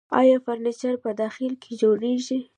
آیا فرنیچر په داخل کې جوړیږي؟